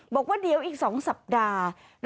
บอกว่าเดี๋ยวอีก๒สัปดาห์